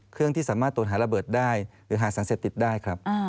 เครื่องที่สามารถตรวจหาระเบิดได้หรือหาสารเสพติดได้ครับ